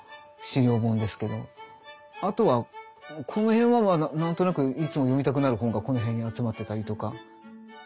あとはこの辺は何となくいつも読みたくなる本がこの辺に集まってたりとか。